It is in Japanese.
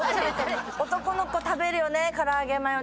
男の子食べるよね唐揚げマヨネーズ。